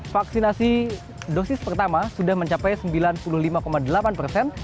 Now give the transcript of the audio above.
vaksinasi dosis pertama sudah mencapai sembilan puluh lima delapan persen